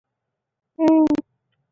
将毕生的精力投入重建工程